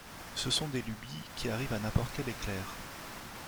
Ce sont des lubies qui arrivent à n’importe quel éclair.